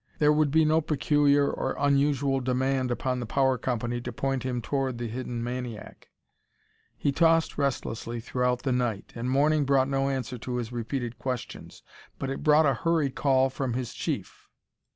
There would be no peculiar or unusual demand upon the power company to point him toward the hidden maniac. He tossed restlessly throughout the night, and morning brought no answer to his repeated questions. But it brought a hurry call from his Chief.